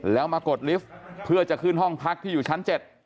แล้วมากดลิฟต์เพื่อจะขึ้นห้องพักที่อยู่ชั้น๗